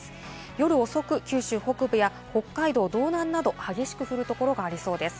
夜遅く、九州北部や北海道道南など、激しく降るところがありそうです。